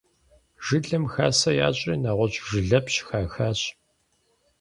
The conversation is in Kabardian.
Жылэм хасэ ящӀри нэгъуэщӀ жылэпщ хахащ.